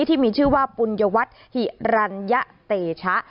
วิธีมีชื่อว่าปุญวัตธิรัญเตชะ